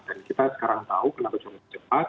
dan kita sekarang tahu kenapa jauh lebih cepat